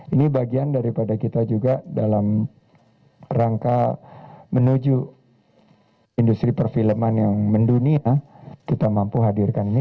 ini bagian daripada kita juga dalam rangka menuju industri perfilman yang mendunia kita mampu hadirkan ini